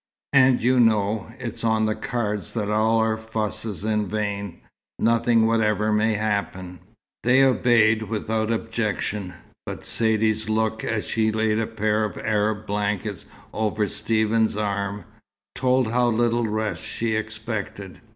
And you know, it's on the cards that all our fuss is in vain. Nothing whatever may happen." They obeyed, without objection; but Saidee's look as she laid a pair of Arab blankets over Stephen's arm, told how little rest she expected.